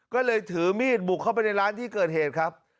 ก็เลยถือมีดบุกเข้าไปในร้านที่เกิดเหตุครับ